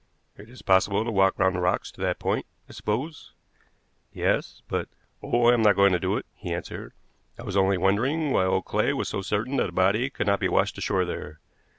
"It is possible to walk round the rocks to that point, I suppose?" "Yes, but " "Oh, I am not going to do it," he answered. "I was only wondering why old Clay was so certain that a body could not be washed ashore there.